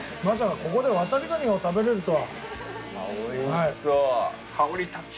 まさかここで渡り蟹を食べれるとは。